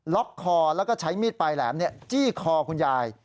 ล็อกคอแล้วก็ใช้มีดปลายแหลมจี้คอคุณยาย